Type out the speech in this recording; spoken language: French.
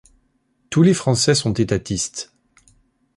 Tous les Français sont étatistes.